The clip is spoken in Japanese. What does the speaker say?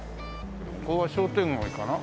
ここは商店街かな？